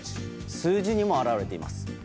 数字にも表れています。